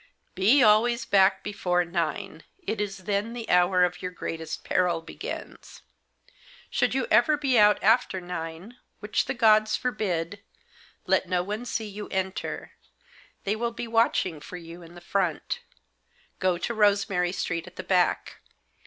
' Be always back before nine. It is then the hour of your greatest peril begins. Should you ever be out after nine —which the gods forbid — let no one see you enter. They will be watching for you in the front. Go to Rosemary Street at the back.